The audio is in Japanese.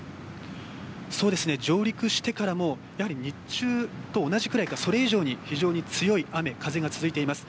上陸してからも日中と同じくらいかそれ以上に非常に強い雨、風が続いています。